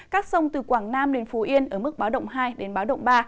các sông từ quảng nam đến phú yên ở mức báo động hai đến báo động ba